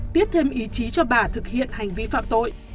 tiếp thêm ý chí cho bà thực hiện hành vi phạm tội